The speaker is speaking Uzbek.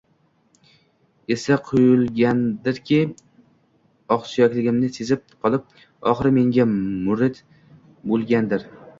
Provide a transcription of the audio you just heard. Esi quyulgandirki, oqsuyakligimni sezib qolib, oxiri menga murid bo‘lgandir